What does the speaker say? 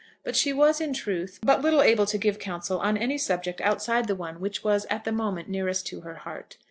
But she was, in truth, but little able to give counsel on any subject outside the one which was at the moment nearest to her heart.